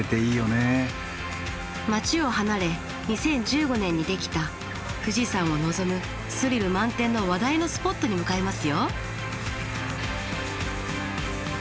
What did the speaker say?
町を離れ２０１５年にできた富士山を望むスリル満点の話題のスポットに向かいますよ。